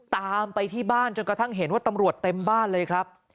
ตามไปที่บ้านจนกระทั่งเห็นว่าตำรวจเต็มบ้านเลยครับ